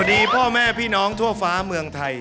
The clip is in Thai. วันนี้พ่อแม่พี่น้องทั่วฟ้าเมืองไทย